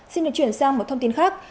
xin được chuyển sang một thông tin khác